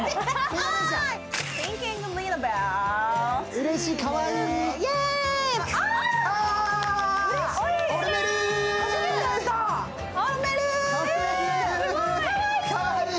うれしい、かわいい。